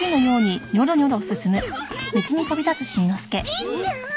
しんちゃん？